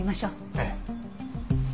ええ。